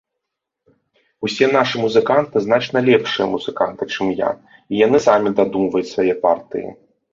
Усе нашы музыканты значна лепшыя музыканты, чым я, і яны самі дадумваюць свае партыі.